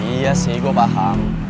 iya sih gue paham